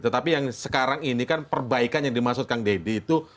tetapi yang sekarang ini kan perbaikan yang dimaksud kang deddy itu